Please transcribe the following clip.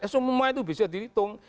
semua itu bisa dihitung